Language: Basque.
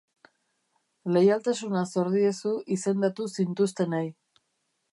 Leialtasuna zor diezu izendatu zintuztenei.